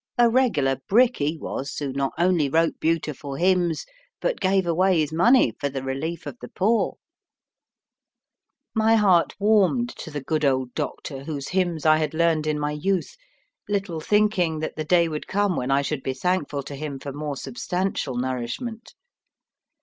A reglar brick he was, who not only wrote beautiful hymns, but gave away his money for the relief of the pore." My heart warmed to the good old Doctor whose hymns I had learnt in my youth, little thinking that the day would come when I should be thankful to him for more substantial nourishment.